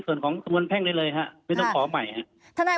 ส่วนของส่วนแพ่งได้เลยฮะไม่ต้องขอใหม่ฮะธนาย